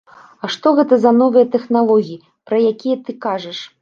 А што гэта за новыя тэхналогіі, пра якія ты кажаш?